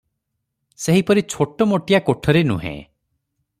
ସେହିପରି ଛୋଟମୋଟିଆ କୋଠରୀ ନୁହେଁ ।